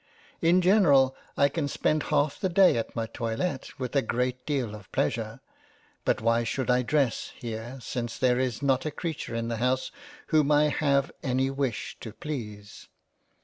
In general I can spend half the Day at my toilett with a great deal of pleasure, but why should I dress here, since there is not a creature in the House whom I have any wish to please.